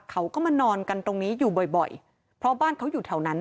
เขาก็มานอนกันตรงนี้อยู่บ่อยบ่อยเพราะบ้านเขาอยู่แถวนั้น